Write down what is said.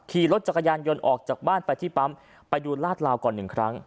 ขี่รถจักรยานยนต์ออกจากบ้านไปที่ปั๊มไปดูลาดลาวก่อนหนึ่งครั้ง